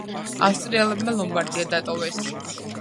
ავსტრიელებმა ლომბარდია დატოვეს.